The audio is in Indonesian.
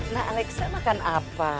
nah alexa makan apa